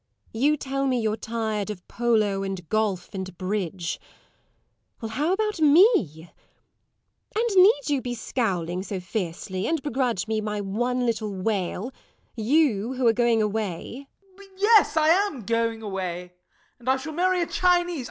You tell me you're tired of polo, and golf, and bridge. Well, how about me? And need you be scowling so fiercely, and begrudge me my one little wail, you who are going away? SIR GEOFFREY. [Angrily.] Yes, I am going away, and I shall marry a Chinese.